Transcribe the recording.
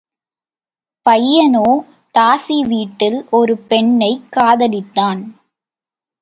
பையனோ தாசி வீட்டில் ஒரு பெண்ணைக் காதலித்தான்.